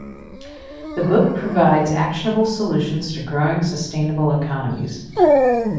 The book provides actionable solutions to growing sustainable economies.